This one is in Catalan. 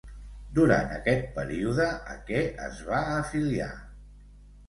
Durant aquest període, a què es va afiliar?